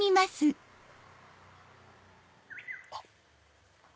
あっ。